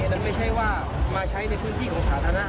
นั้นไม่ใช่ว่ามาใช้ในพื้นที่ของสาธารณะ